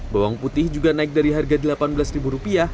bawang putih juga naik dari harga delapan belas ribu rupiah